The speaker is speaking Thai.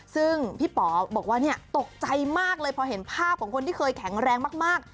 ซึ่งพี่ป๋อบอกว่าเนี่ยตกใจมากเลยพอเห็นภาพของคนที่เคยแข็งแรงมาก